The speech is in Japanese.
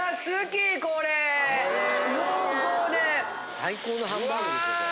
最高のハンバーグですよこれ。